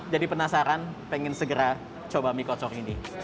jadi penasaran pengen segera coba mie kocok ini